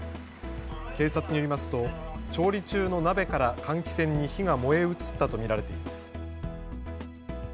警察によりますと調理中の鍋から換気扇に火が燃え移ったと見られています。